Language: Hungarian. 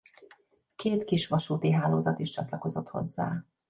Két kisvasúti hálózat is csatlakozott hozzá.